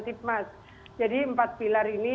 tipmas jadi empat pilar ini